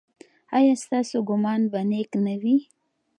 ایا ستاسو ګمان به نیک نه وي؟